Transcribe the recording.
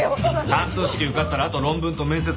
短答式受かったらあと論文と面接だけだろ。